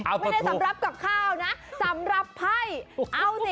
ไม่ได้สำรับกับข้าวนะสำรับให้